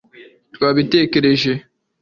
twabitekereje